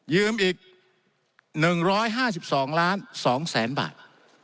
ยืมอีก๑๕๒ล้าน๒แสนบาท